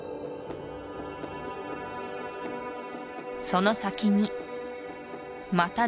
その先にまた